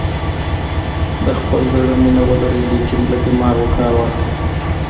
د خپل زړه مینه ولرئ لیکن له دماغو کار واخلئ.